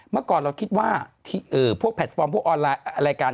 เมื่อก่อนเราคิดว่าพวกแพลตฟอร์มพวกออนไลน์รายการ